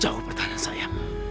jawab pertanyaan saya